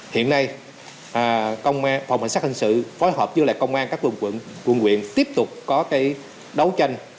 hiện nay phòng cảnh sát hình sự phối hợp với công an các quân quyền tiếp tục có cái đấu tranh